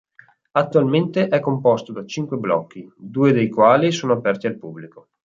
Attualmente è composto da cinque blocchi, due dei quali sono aperti al pubblico.